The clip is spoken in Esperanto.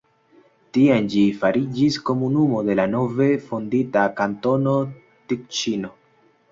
Tiam ĝi fariĝis komunumo de la nove fondita Kantono Tiĉino.